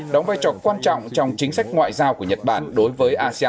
đóng vai trò quan trọng trong chính sách ngoại giao của nhật bản đối với asean